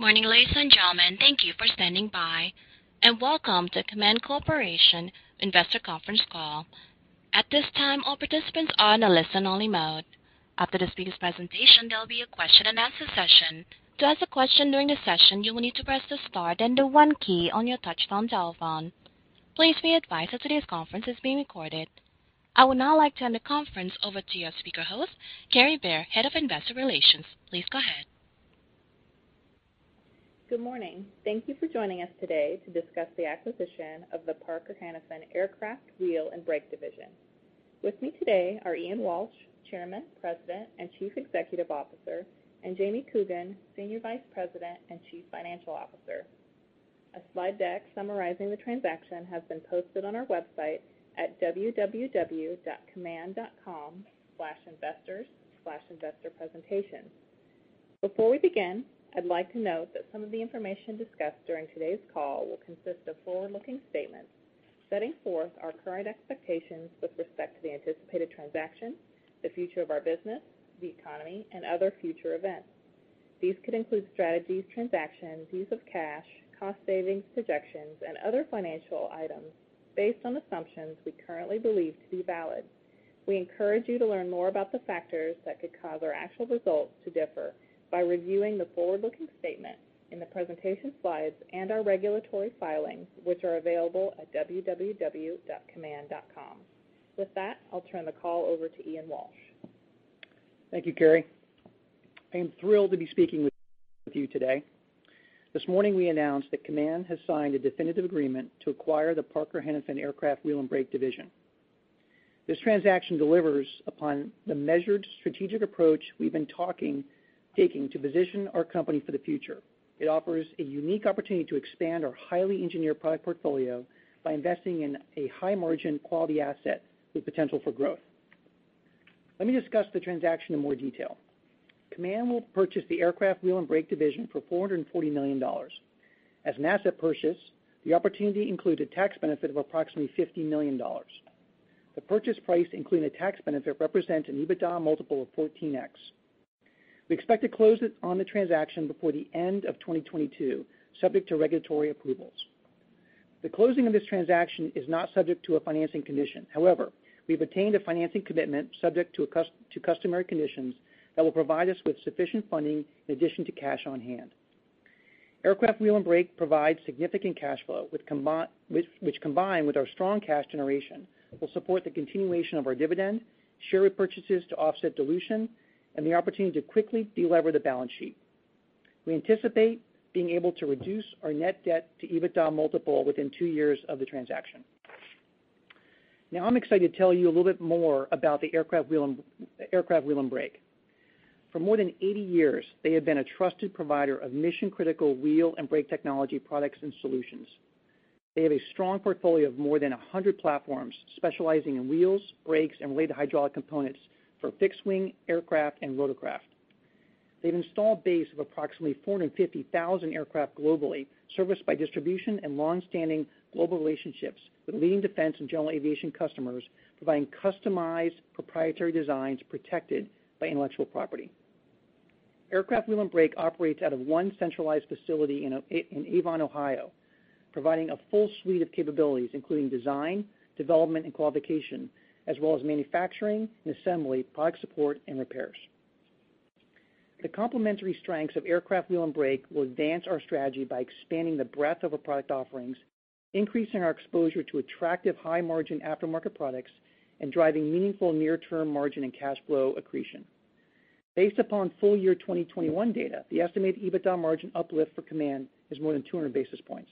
Morning, ladies and gentlemen. Thank you for standing by, and welcome to Kaman Corporation Investor Conference Call. At this time, all participants are in a listen-only mode. After the speakers' presentation, there'll be a question-and-answer session. To ask a question during the session, you will need to press the star, then the one key on your touchtone telephone. Please be advised that today's conference is being recorded. I would now like to hand the conference over to your speaker host, Kary Bare, Head of Investor Relations. Please go ahead. Good morning. Thank you for joining us today to discuss the acquisition of the Parker Hannifin Aircraft Wheel and Brake Division. With me today are Ian Walsh, Chairman, President, and Chief Executive Officer, and James Coogan, Senior Vice President and Chief Financial Officer. A slide deck summarizing the transaction has been posted on our website at www.kaman.com/investors/investor presentation. Before we begin, I'd like to note that some of the information discussed during today's call will consist of forward-looking statements setting forth our current expectations with respect to the anticipated transaction, the future of our business, the economy, and other future events. These could include strategies, transactions, use of cash, cost savings, projections, and other financial items based on assumptions we currently believe to be valid. We encourage you to learn more about the factors that could cause our actual results to differ by reviewing the forward-looking statements in the presentation slides and our regulatory filings, which are available at www.kaman.com. With that, I'll turn the call over to Ian Walsh. Thank you, Kary. I am thrilled to be speaking with you today. This morning, we announced that Kaman has signed a definitive agreement to acquire the Parker Hannifin Aircraft Wheel & Brake Division. This transaction delivers upon the measured strategic approach we've been taking to position our company for the future. It offers a unique opportunity to expand our highly engineered product portfolio by investing in a high margin quality asset with potential for growth. Let me discuss the transaction in more detail. Kaman will purchase the Aircraft Wheel & Brake Division for $440 million. As an asset purchase, the opportunity includes a tax benefit of approximately $50 million. The purchase price, including the tax benefit, represents an EBITDA multiple of 14x. We expect to close on the transaction before the end of 2022, subject to regulatory approvals. The closing of this transaction is not subject to a financing condition. However, we've obtained a financing commitment subject to customary conditions that will provide us with sufficient funding in addition to cash on hand. Aircraft Wheel & Brake provides significant cash flow, which, combined with our strong cash generation, will support the continuation of our dividend, share repurchases to offset dilution, and the opportunity to quickly delever the balance sheet. We anticipate being able to reduce our net debt to EBITDA multiple within two years of the transaction. Now, I'm excited to tell you a little bit more about the Aircraft Wheel & Brake. For more than 80 years, they have been a trusted provider of mission-critical wheel and brake technology products and solutions. They have a strong portfolio of more than 100 platforms specializing in wheels, brakes, and related hydraulic components for fixed-wing aircraft and rotorcraft. They have an installed base of approximately 450,000 aircraft globally, serviced by distribution and longstanding global relationships with leading defense and general aviation customers, providing customized proprietary designs protected by intellectual property. Aircraft Wheel & Brake operates out of one centralized facility in Avon, Ohio, providing a full suite of capabilities, including design, development, and qualification, as well as manufacturing and assembly, product support and repairs. The complementary strengths of Aircraft Wheel & Brake will advance our strategy by expanding the breadth of our product offerings, increasing our exposure to attractive high-margin aftermarket products, and driving meaningful near-term margin and cash flow accretion. Based upon full year 2021 data, the estimated EBITDA margin uplift for Kaman is more than 200 basis points.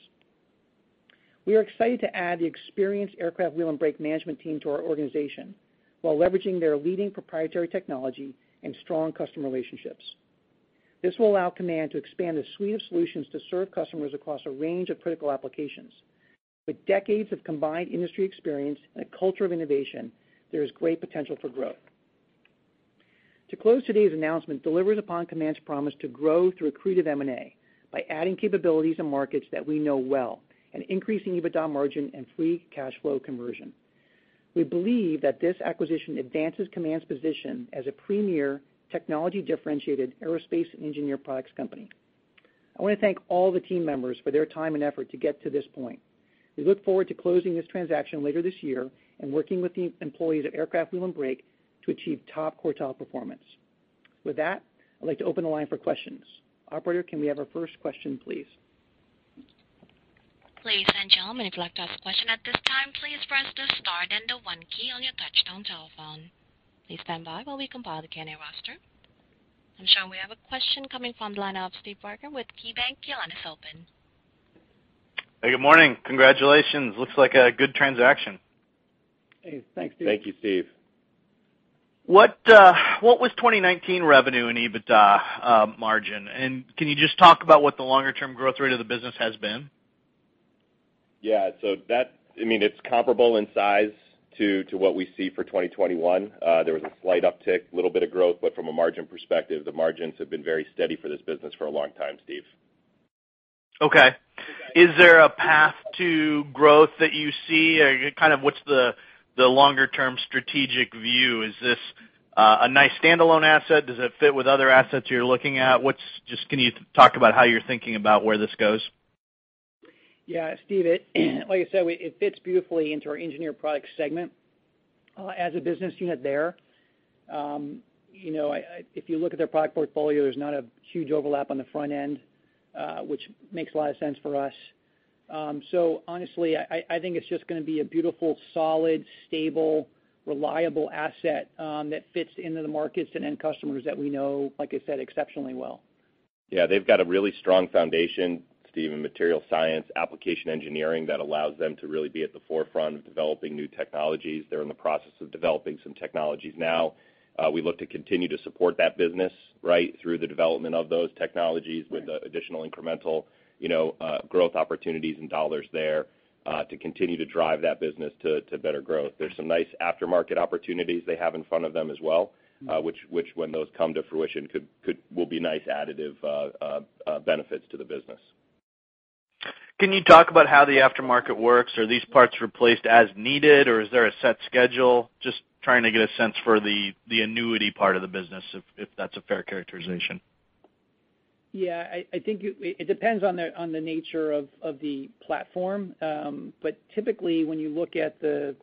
We are excited to add the experienced Aircraft Wheel & Brake management team to our organization while leveraging their leading proprietary technology and strong customer relationships. This will allow Kaman to expand a suite of solutions to serve customers across a range of critical applications. With decades of combined industry experience and a culture of innovation, there is great potential for growth. To close, today's announcement delivers upon Kaman's promise to grow through accretive M&A by adding capabilities and markets that we know well and increasing EBITDA margin and free cash flow conversion. We believe that this acquisition advances Kaman's position as a premier technology differentiated aerospace and engineered products company. I wanna thank all the team members for their time and effort to get to this point. We look forward to closing this transaction later this year and working with the employees at Aircraft Wheel & Brake to achieve top quartile performance. With that, I'd like to open the line for questions. Operator, can we have our first question, please? Ladies and gentlemen, if you'd like to ask a question at this time, please press the star, then the one key on your touchtone telephone. Please stand by while we compile the candidate roster. I'm showing we have a question coming from the line of Steve Barger with KeyBanc. Your line is open. Hey, good morning. Congratulations. Looks like a good transaction. Hey, thanks, Steve. Thank you, Steve. What was 2019 revenue and EBITDA margin? Can you just talk about what the longer-term growth rate of the business has been? I mean, it's comparable in size to what we see for 2021. There was a slight uptick, little bit of growth, but from a margin perspective, the margins have been very steady for this business for a long time, Steve. Okay. Is there a path to growth that you see? Kind of what's the longer-term strategic view? Is this a nice standalone asset? Does it fit with other assets you're looking at? Just, can you talk about how you're thinking about where this goes? Yeah. Steve, like I said, it fits beautifully into our engineered products segment as a business unit there. You know, if you look at their product portfolio, there's not a huge overlap on the front end, which makes a lot of sense for us. Honestly, I think it's just gonna be a beautiful, solid, stable, reliable asset that fits into the markets and end customers that we know, like I said, exceptionally well Yeah, they've got a really strong foundation, Steve, in materials science, application engineering that allows them to really be at the forefront of developing new technologies. They're in the process of developing some technologies now. We look to continue to support that business right through the development of those technologies with the additional incremental, you know, growth opportunities and dollars there, to continue to drive that business to better growth. There's some nice aftermarket opportunities they have in front of them as well, which when those come to fruition will be nice additive benefits to the business. Can you talk about how the aftermarket works? Are these parts replaced as needed, or is there a set schedule? Just trying to get a sense for the annuity part of the business, if that's a fair characterization. Yeah. I think it depends on the nature of the platform. Typically, when you look at the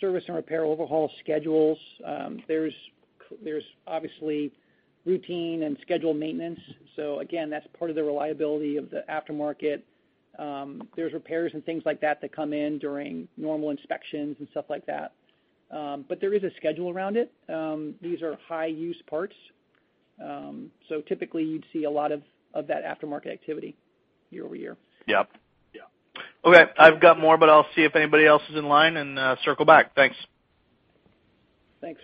service and repair overhaul schedules, there's obviously routine and scheduled maintenance. Again, that's part of the reliability of the aftermarket. There's repairs and things like that that come in during normal inspections and stuff like that. There is a schedule around it. These are high-use parts. Typically, you'd see a lot of that aftermarket activity year over year. Yep. Yeah. Okay. I've got more, but I'll see if anybody else is in line and circle back. Thanks. Thanks.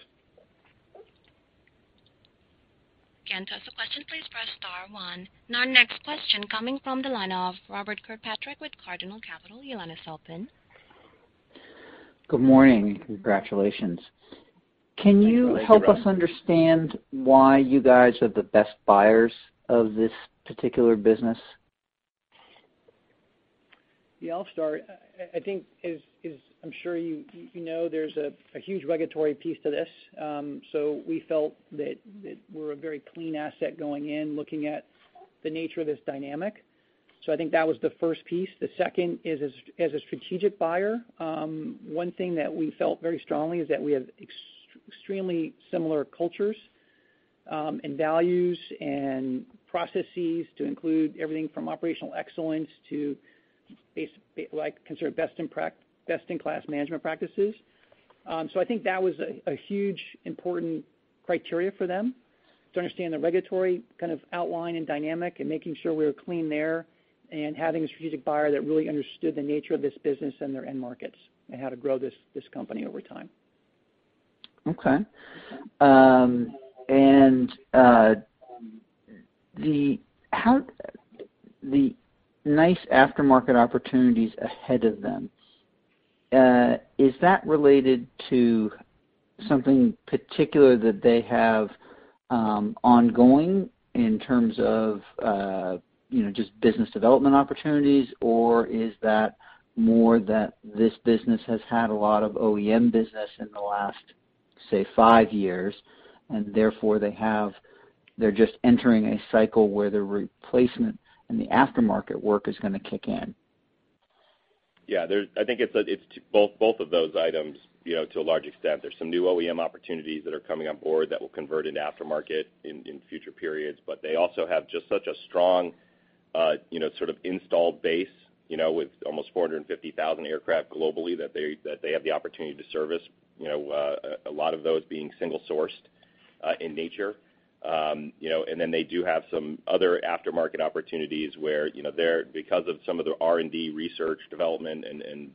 Again, to ask a question, please press star one. Now, next question coming from the line of Robert B. Kirkpatrick with Cardinal Capital Management. Your line is open. Good morning. Congratulations. Thanks, Rob. Can you help us understand why you guys are the best buyers of this particular business? Yeah, I'll start. I think as I'm sure you know, there's a huge regulatory piece to this. We felt that we're a very clean asset going in, looking at the nature of this dynamic. I think that was the first piece. The second is as a strategic buyer, one thing that we felt very strongly is that we have extremely similar cultures and values and processes to include everything from operational excellence to best in class management practices. I think that was a huge important criteria for them to understand the regulatory kind of outline and dynamic and making sure we were clean there, and having a strategic buyer that really understood the nature of this business and their end markets and how to grow this company over time. The nice aftermarket opportunities ahead of them is that related to something particular that they have ongoing in terms of you know just business development opportunities? Or is that more that this business has had a lot of OEM business in the last say five years and therefore they have they're just entering a cycle where the replacement and the aftermarket work is gonna kick in? Yeah. I think it's both of those items, you know, to a large extent. There's some new OEM opportunities that are coming on board that will convert into aftermarket in future periods. They also have just such a strong, you know, sort of installed base, you know, with almost 450,000 aircraft globally that they have the opportunity to service, you know, a lot of those being single sourced in nature. You know, and then they do have some other aftermarket opportunities where, you know, because of some of the R&D, research and development, and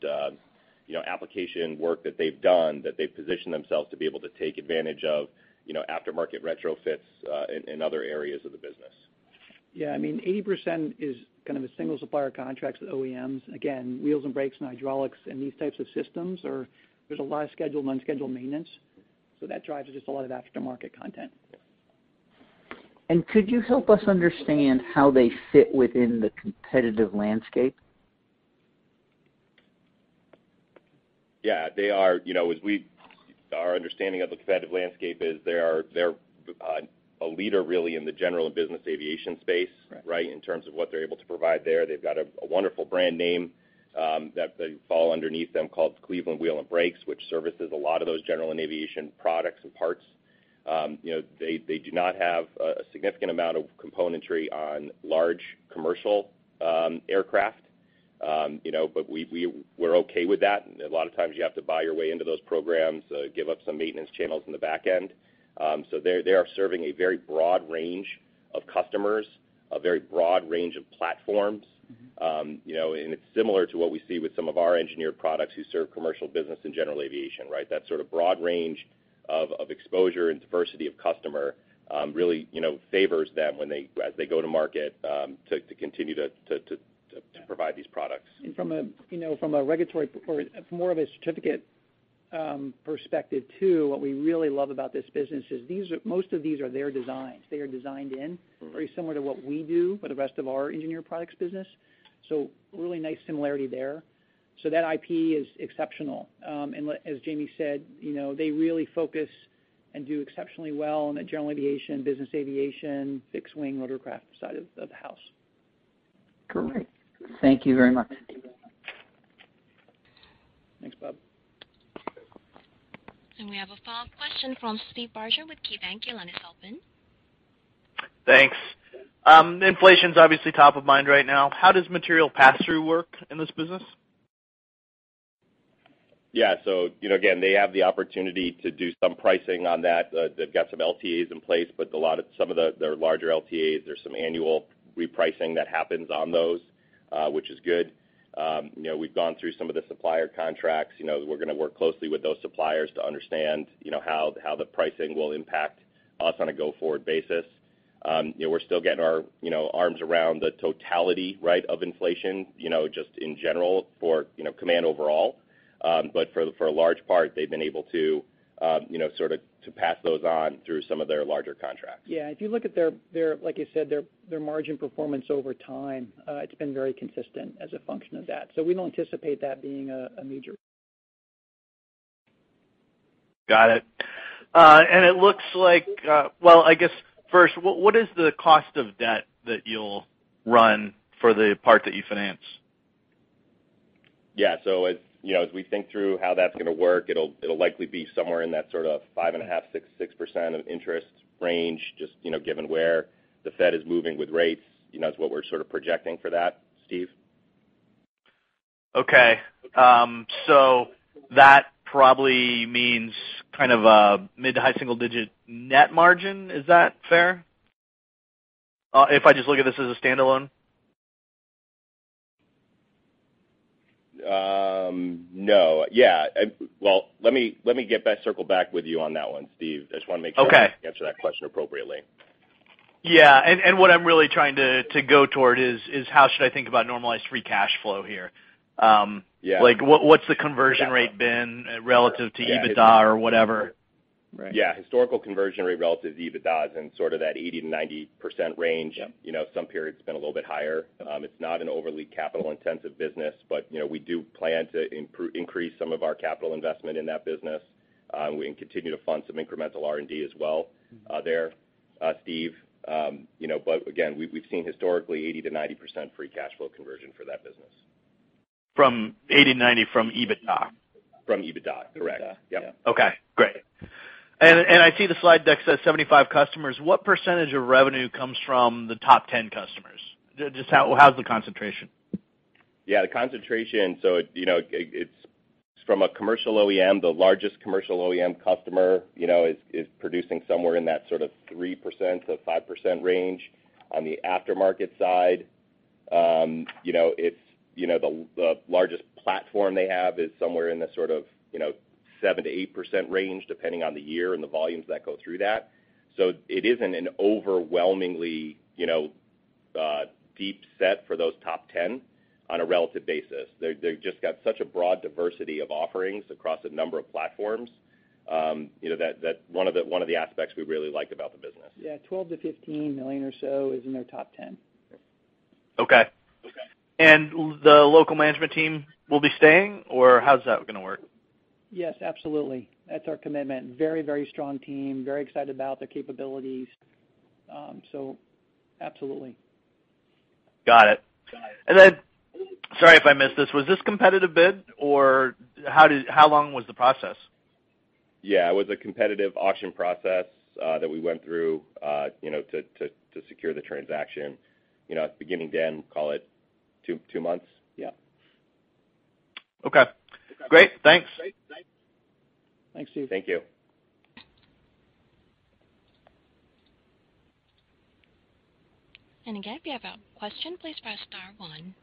application work that they've done, they've positioned themselves to be able to take advantage of, you know, aftermarket retrofits in other areas of the business. Yeah. I mean, 80% is kind of a single supplier contracts with OEMs. Again, wheels and brakes and hydraulics and these types of systems are. There's a lot of scheduled and unscheduled maintenance. That drives just a lot of aftermarket content. Could you help us understand how they fit within the competitive landscape? Yeah. They are, you know, our understanding of the competitive landscape is they're a leader really in the general and business aviation space. Right. Right, in terms of what they're able to provide there. They've got a wonderful brand name that they fall underneath called Cleveland Wheels & Brakes, which services a lot of those general aviation products and parts. You know, they do not have a significant amount of componentry on large commercial aircraft. You know, but we're okay with that. A lot of times you have to buy your way into those programs, give up some maintenance channels in the back end. So they are serving a very broad range of customers, a very broad range of platforms. You know, it's similar to what we see with some of our engineered products who serve commercial business and general aviation, right? That sort of broad range of exposure and diversity of customer really, you know, favors them when they, as they go to market, to provide these products. From a regulatory or more of a certification perspective too, what we really love about this business is these are most of these are their designs. They are designed very similar to what we do for the rest of our engineered products business. Really nice similarity there. That IP is exceptional. As Jamie said, you know, they really focus and do exceptionally well in the general aviation, business aviation, fixed wing rotorcraft side of the house. Great. Thank you very much. Thanks, Bob. We have a follow-up question from Steve Barger with KeyBanc. Your line is open. Thanks. Inflation's obviously top of mind right now. How does material pass-through work in this business? Yeah. You know, again, they have the opportunity to do some pricing on that. They've got some LTAs in place, but a lot of their larger LTAs, there's some annual repricing that happens on those, which is good. You know, we've gone through some of the supplier contracts. You know, we're gonna work closely with those suppliers to understand, you know, how the pricing will impact us on a go-forward basis. You know, we're still getting our, you know, arms around the totality, right, of inflation, you know, just in general for, you know, Kaman overall. For a large part, they've been able to, you know, sort of to pass those on through some of their larger contracts. Yeah. If you look at their, like you said, their margin performance over time, it's been very consistent as a function of that. We don't anticipate that being a major Got it. It looks like, well, I guess first, what is the cost of debt that you'll run for the part that you finance? Yeah. As you know, as we think through how that's gonna work, it'll likely be somewhere in that sort of 5.5-6% interest rate range just, you know, given where the Fed is moving with rates, you know, is what we're sort of projecting for that, Steve. Okay. That probably means kind of a mid- to high-single-digit net margin. Is that fair? If I just look at this as a standalone. No. Yeah. Well, let me get back, circle back with you on that one, Steve. I just wanna make sure. Okay. I answer that question appropriately. Yeah, what I'm really trying to go toward is how should I think about normalized Free Cash Flow here? Yeah. Like, what's the conversion rate been relative to EBITDA or whatever? Right. Yeah. Historical conversion rate relative to EBITDA is in sort of that 80%-90% range. Yeah. You know, some periods have been a little bit higher. It's not an overly capital intensive business, but, you know, we do plan to increase some of our capital investment in that business, and we can continue to fund some incremental R&D as well, there, Steve. You know, again, we've seen historically 80%-90% free cash flow conversion for that business. 80 and 90 from EBITDA? From EBITDA, correct. EBITDA. Yeah. Okay, great. I see the slide deck says 75 customers. What percentage of revenue comes from the top 10 customers? Just how's the concentration? Yeah, the concentration, you know, it's from a commercial OEM. The largest commercial OEM customer, you know, is producing somewhere in that sort of 3%-5% range. On the aftermarket side, you know, it's the largest platform they have is somewhere in the sort of, you know, 7%-8% range, depending on the year and the volumes that go through that. It isn't an overwhelmingly, you know, deep set for those top ten on a relative basis. They've just got such a broad diversity of offerings across a number of platforms, you know, that one of the aspects we really like about the business. Yeah, $12-15 million or so is in their top ten. Okay. Okay. The local management team will be staying, or how's that gonna work? Yes, absolutely. That's our commitment. Very, very strong team. Very excited about their capabilities. Absolutely. Got it. Got it. Sorry if I missed this, was this competitive bid or how long was the process? Yeah. It was a competitive auction process that we went through, you know, to secure the transaction. You know, at the beginning to end, call it two months. Yeah. Okay. Great. Thanks. Thanks, Steve. Thank you. Again, if you have a question, please press star one.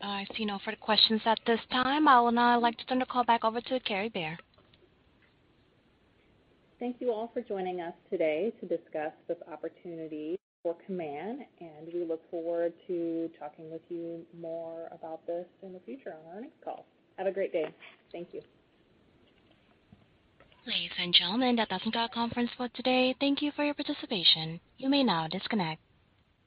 I see no further questions at this time. I will now like to turn the call back over to Kary Bare. Thank you all for joining us today to discuss this opportunity for Kaman, and we look forward to talking with you more about this in the future on our next call. Have a great day. Thank you. Ladies and gentlemen, that does end our conference call today. Thank you for your participation. You may now disconnect.